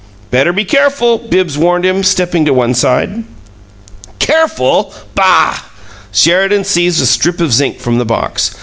"Better be careful," Bibbs warned him, stepping to one side. "Careful? Boh!" Sheridan seized a strip of zinc from the box.